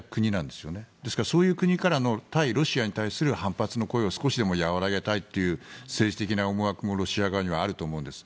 ですから、そういう国からの対ロシアの反発の声を少しでも和らげたいという政治的な思惑もロシアはあると思うんです。